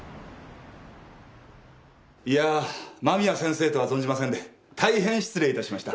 いやぁ間宮先生とは存じませんで大変失礼いたしました。